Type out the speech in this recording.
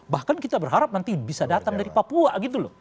bahkan kita berharap nanti bisa datang dari papua gitu loh